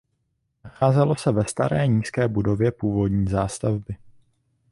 Nacházelo se ve staré nízké budově původní zástavby.